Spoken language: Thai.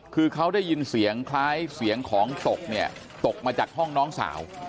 คือเขาได้ยินเสียงคล้ายเสียงของตกเนี่ยตกมาจากห้องน้องสาว